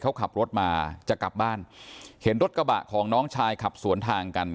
เขาขับรถมาจะกลับบ้านเห็นรถกระบะของน้องชายขับสวนทางกัน